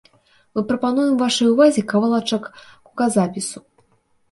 Мы прапануем вашай увазе кавалачак гуказапісу.